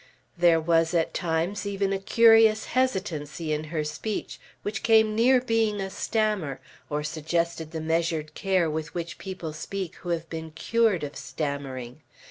There was at times even a curious hesitancy in her speech, which came near being a stammer, or suggested the measured care with which people speak who have been cured of stammering.